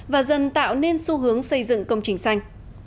và dần tạo nên xu hướng xây dựng công trình xanh